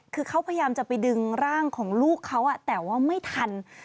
คือเขาพยายามจะไปดึงร่างของลูกเขาแต่ว่าไม่ทัน